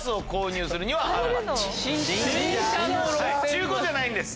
中古じゃないんです。